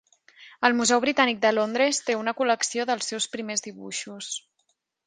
El Museu Britànic de Londres té una col·lecció dels seus primers dibuixos.